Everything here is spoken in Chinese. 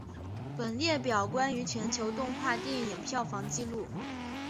本列表关于全球动画电影票房纪录。